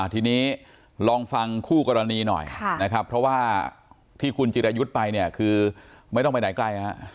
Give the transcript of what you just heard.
ทีนี้ลองฟังคู่กรณีหน่อยนะครับเพราะว่าที่คุณจิรายุทธ์ไปเนี่ยคือไม่ต้องไปไหนไกล